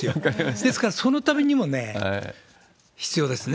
ですから、そのためにも必要ですね。